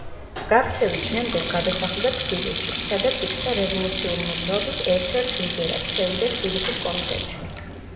გაქცევის შემდეგ გადასახლდა თბილისში, სადაც იქცა რევოლუციური მოძრაობის ერთ-ერთ ლიდერად, შევიდა თბილისის კომიტეტში.